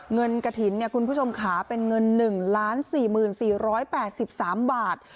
เงินกระถิ่นคุณผู้ชมขาเป็นเงิน๑๔๔๘๓บาท